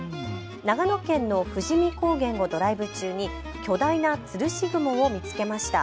長野県の富士見高原をドライブ中に巨大なつるし雲を見つけました。